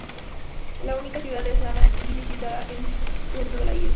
La única ciudad es Lānaʻi City, situada en el centro de la isla.